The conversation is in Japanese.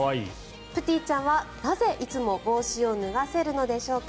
プティちゃんは、なぜいつも帽子を脱がせるのでしょうか。